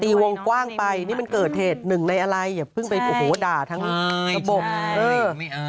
ตีวงกว้างไปนี่มันเกิดเหตุหนึ่งในอะไร